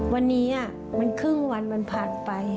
วันนี้มันครึ่งวันมันผ่านไป